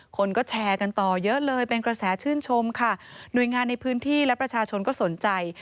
คนก็แชร์กันต่อเยอะเลยเป็นกระแสชื่นชมค่ะหน่วยงานในพื้นที่และประชาชนก็สนใจ